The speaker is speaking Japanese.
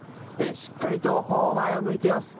しっかりと前を向いています。